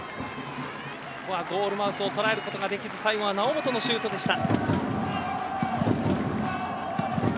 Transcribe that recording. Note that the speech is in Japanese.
ここはゴールマウスを捉えることができず最後は猶本のシュートでした。